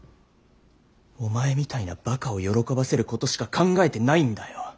お前みたいなばかを喜ばせることしか考えてないんだよ。